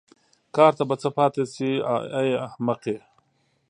کار ته به څه پاتې شي ای احمقې.